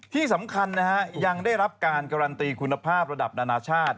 ที่สำคัญนะฮะยังได้รับการการันตีคุณภาพระดับนานาชาติ